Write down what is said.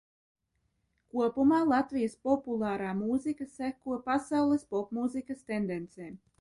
"Kopumā Latvijas populārā mūzika "seko" pasaules popmūzikas tendencēm."